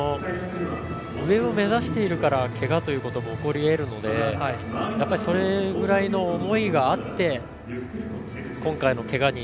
上を目指しているからけがも起こり得るのでそれくらいの思いがあって今回のけがに。